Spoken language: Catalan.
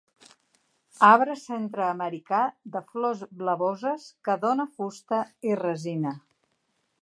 Arbre centreamericà de flors blavoses que dóna fusta i resina.